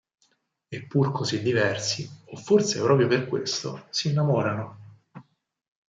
E pur così diversi, o forse proprio per questo, si innamorano.